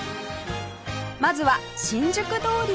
まずは新宿通りから